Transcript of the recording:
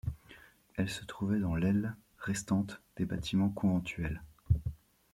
Elle se trouvait dans l'aile restante des bâtiments conventuels.